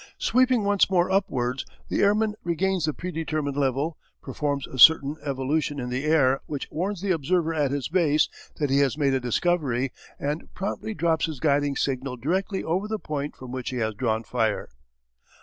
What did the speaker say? Sweeping once more upwards, the airman regains the pre determined level, performs a certain evolution in the air which warns the observer at his base that he has made a discovery, and promptly drops his guiding signal directly over the point from which he has drawn fire.